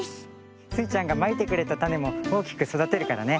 スイちゃんがまいてくれたたねもおおきくそだてるからね。